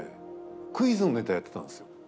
クイズのネタやってたんですよ。